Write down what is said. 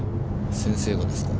先生がですか？